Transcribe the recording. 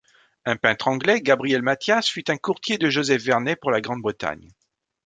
Un peintre anglais, Gabriel Mathias, fut un courtier de Joseph Vernet pour la Grande-Bretagne.